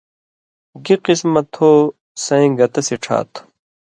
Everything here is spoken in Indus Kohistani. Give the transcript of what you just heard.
گی قِسمہ تھو سَیں گتہ سِڇھاتھو۔